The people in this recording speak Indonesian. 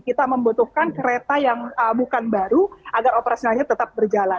kita membutuhkan kereta yang bukan baru agar operasionalnya tetap berjalan